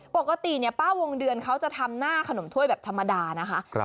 ปกติป้าวงเดือนเขาจะทำหน้าขนมถ้วยแบบธรรมดานะคะ